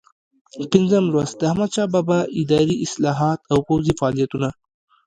پنځم لوست د احمدشاه بابا اداري اصلاحات او پوځي فعالیتونه دي.